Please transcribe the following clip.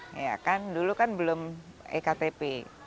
ya kan dulu kan belum e ktp